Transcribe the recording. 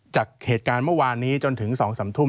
จากเหตุการณ์เมื่อวานนี้จนถึง๒๓ทุ่ม